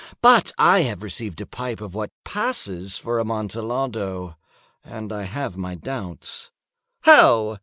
But I have received a pipe of what passes for Amontillado, and I have my doubts." "How?"